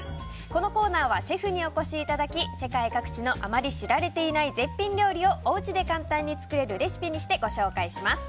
このコーナーはシェフにお越しいただき世界各地のあまり知られていない絶品料理をおうちで簡単に作れるレシピにしてご紹介します。